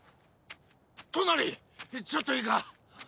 トナリちょっといいか？